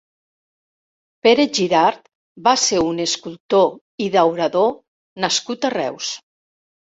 Pere Girart va ser un escultor i daurador nascut a Reus.